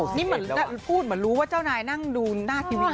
นี่เหมือนพูดเหมือนรู้ว่าเจ้านายนั่งดูหน้าทีวี